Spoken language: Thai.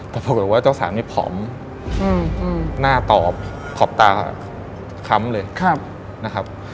แต่ปรากฏว่าเจ้าสาวนี่ผอมหน้าตอบขอบตาค้ำเลยนะครับ